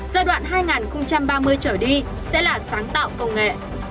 giai đoạn hai nghìn ba mươi trở đi sẽ là sáng tạo công nghệ